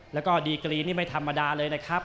แล้วกลับมาติดตามกันต่อนะครับ